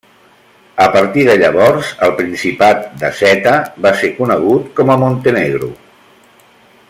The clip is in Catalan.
A partir de llavors el Principat de Zeta va ser conegut com a Montenegro.